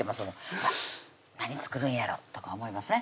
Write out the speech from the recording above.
「うわっ何作るんやろ？」とか思いますね